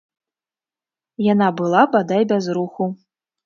Яна была бадай без руху.